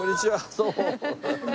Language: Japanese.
どうも。